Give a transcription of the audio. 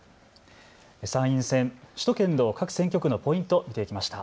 参院選、首都圏の各選挙区のポイントを見てきました。